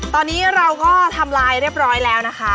ตอนนี้เราก็ทำลายเรียบร้อยแล้วนะคะ